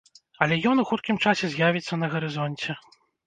Але ён у хуткім часе з'явіцца на гарызонце.